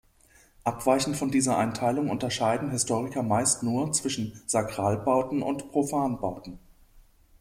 Abweichend von dieser Einteilung unterscheiden Historiker meist nur zwischen Sakralbauten und Profanbauten.